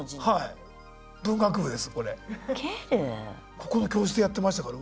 ここの教室でやってましたから。